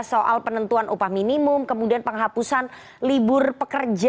soal penentuan upah minimum kemudian penghapusan libur pekerja